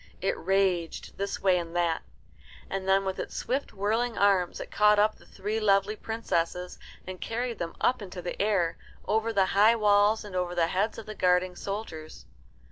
It raged this way and that, and then with its swift whirling arms it caught up the three lovely princesses, and carried them up into the air, over the high walls and over the heads of the guarding soldiers.